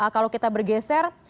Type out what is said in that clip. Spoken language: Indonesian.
kalau kita bergeser